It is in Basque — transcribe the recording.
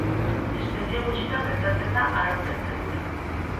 Espezie gutxitan gertatzen da arrautzen zaintza.